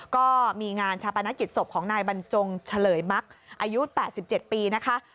ก็มีงานชาปนกิจศพของนายบรรจงเฉลยมักอายุ๘๗ปีนะคะ